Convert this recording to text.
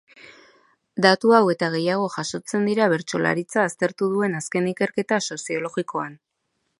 Datu hau eta gehiago jasotzen dira bertsolaritza aztertu duen azken ikerketa soziologikoan.